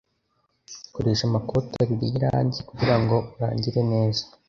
Koresha amakoti abiri y irangi kugirango urangire neza.